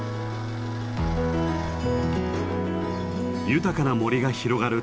豊かな森が広がる